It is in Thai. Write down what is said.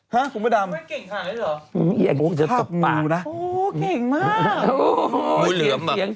ฮะคุณพระดำข้าบงูนะโอ้เก่งมากโอ้โหเกียง